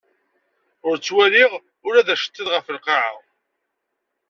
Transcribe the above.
Ur ttwaliɣ ula d aceṭṭiḍ ɣef lqaɛa.